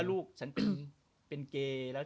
อ่าใช่ตอนนั้นก็เป็นประเด็น